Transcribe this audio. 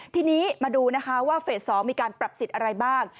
ทีนี้มาดูนะคะว่าเฟส๒มีการปรับสิทธิ์อะไรบ้าง